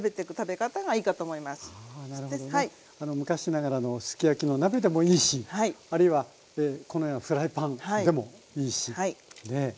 昔ながらのすき焼きの鍋でもいいしあるいはこのようなフライパンでもいいしねえ。